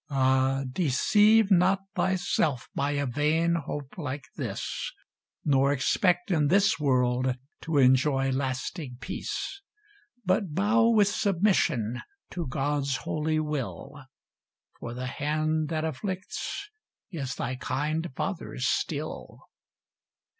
Ah! deceive not thyself by a vain hope like this, Nor expect in this world to enjoy lasting peace: But bow with submission to God's holy will, For the hand that afflicts is thy kind Father's still.